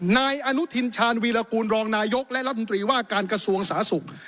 นายอนุทินชาญวีรกูลรองนายกและรัฐมนตรีว่าการกระทรวงสาธารณสุข